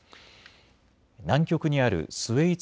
南極にあるスウェイツ